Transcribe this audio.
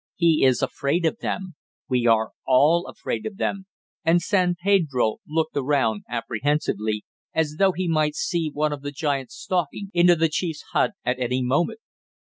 He is afraid of them. We are ALL afraid of them," and San Pedro looked around apprehensively, as though he might see one of the giants stalking into the chief's hut at any moment.